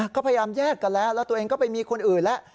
ก็พยายามแยกกันแล้วแล้วตัวเองก็ไปมีคนอื่นแล้ว